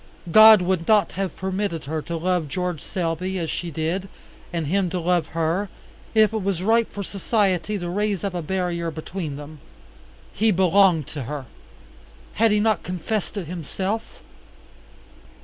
God would not have permitted her to love George Selby as she did, and him to love her, if it was right for society to raise up a barrier between them. He belonged to her. Had he not confessed it himself?